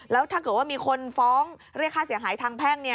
และถ้าเกิดว่ามีคนนั้นฟ้องเรียกฆ่าเสียงไหลทางแพง